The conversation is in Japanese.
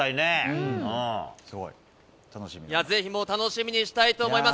ぜひもう楽しみにしたいと思います。